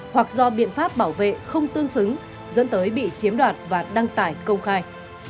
hoặc do biện pháp bảo vệ không tương xứng dẫn tới bị chiếm đoạt và đăng tải công khai